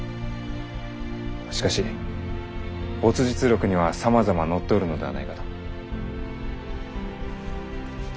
しかし没日録にはさまざま載っておるのではないかと。